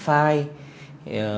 và xử lý file